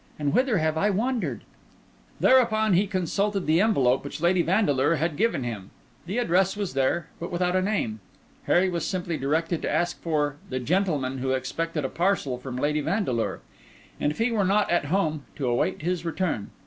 and whither have I wandered?" Thereupon he consulted the envelope which Lady Vandeleur had given him. The address was there, but without a name. Harry was simply directed to ask for "the gentleman who expected a parcel from Lady Vandeleur," and if he were not at home to await his return.